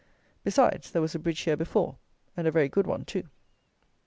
besides, there was a bridge here before, and a very good one too.